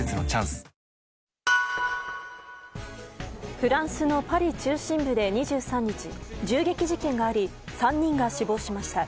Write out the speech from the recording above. フランスのパリ中心部で２３日銃撃事件があり３人が死亡しました。